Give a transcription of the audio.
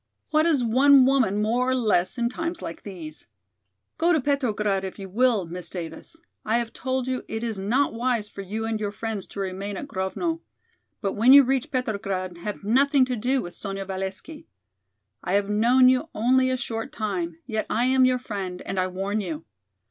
"What is one woman more or less in times like these? Go to Petrograd if you will, Miss Davis. I have told you it is not wise for you and your friends to remain at Grovno. But when you reach Petrograd have nothing to do with Sonya Valesky. I have known you only a short time, yet I am your friend and I warn you.